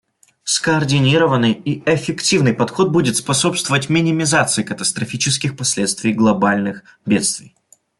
Скоординированный и эффективный подход будет способствовать минимизации катастрофических последствий глобальных бедствий.